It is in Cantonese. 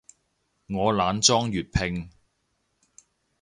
我懶裝粵拼